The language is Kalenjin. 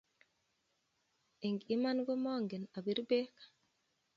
Eng' iman ko mangen apir bek.